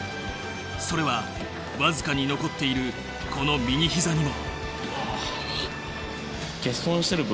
それは僅かに残っているこの右膝にも。